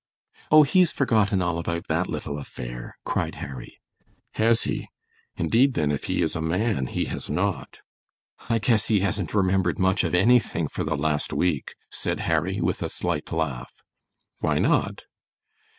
"Oh, he's forgotten all about that little affair," cried Harry. "Has he? Indeed then if he is a man he has not!" "I guess he hasn't remembered much of anything for the last week," said Harry, with a slight laugh. "Why not?"